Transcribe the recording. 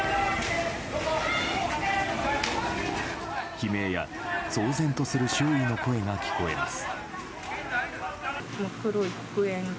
悲鳴や、騒然とする周囲の声が聞こえます。